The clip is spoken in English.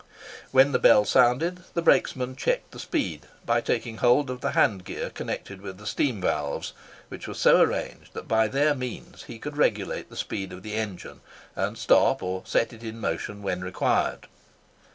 When the bell sounded, the brakesman checked the speed, by taking hold of the hand gear connected with the steam valves, which were so arranged that by their means he could regulate the speed of the engine, and stop or set it in motion when required.